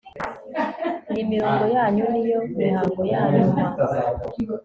iyi mirongo yanyuma niyo mihango yanyuma